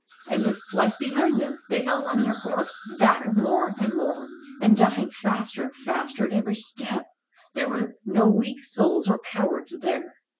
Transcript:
'' and, with flight behind them, they held on their course, battered more and more and dying faster and faster at every step. There were no weak souls or cowards there.